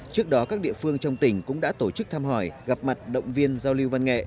trước đó các địa phương trong tỉnh cũng đã tổ chức thăm hỏi gặp mặt động viên giao lưu văn nghệ